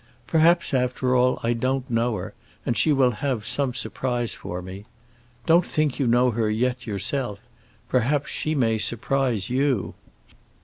Perhaps, after all, I don't know her, and she will have some surprise for me. Don't think you know her yet, yourself; perhaps she may surprise you.